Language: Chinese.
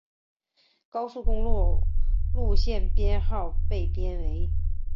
高速公路路线编号被编为。